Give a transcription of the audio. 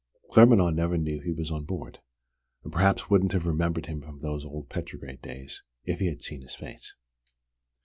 Claremanagh never knew he was on board and perhaps wouldn't have remembered him from those old Petrograd days if he had seen his face.